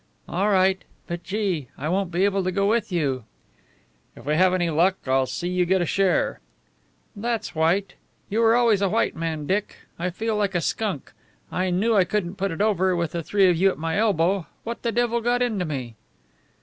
"All right. But, gee! I won't be able to go with you." "If we have any luck, I'll see you get a share." "That's white. You were always a white man, Dick. I feel like a skunk. I knew I couldn't put it over, with the three of you at my elbow. What the devil got into me?"